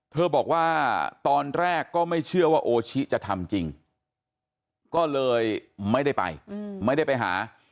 บอกว่าตอนแรกก็ไม่เชื่อว่าโอชิจะทำจริงก็เลยไม่ได้ไปไม่ได้ไปหา